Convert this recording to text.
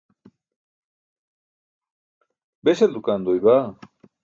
beśal dukaan doy baa?